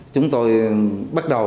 chúng tôi bắt đầu